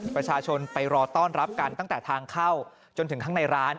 ประชาชนไปรอต้อนรับกันตั้งแต่ทางเข้าจนถึงข้างในร้าน